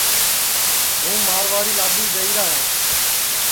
ہُوں مارواڑی لادؔی جائیرا ہے